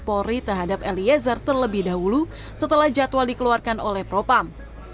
polri terhadap eliezer terlebih dahulu setelah jadwal dikeluarkan oleh propam